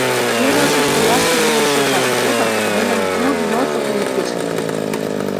Кеноши солашкы миэн шошаш годым нӹнӹм юр ньоцок нӧртен шӹндӓ.